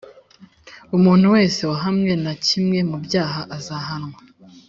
umuntu wese wahamwe na kimwe mu byaha azahanwa